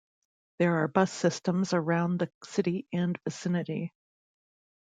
There are bus systems around the city and vicinity.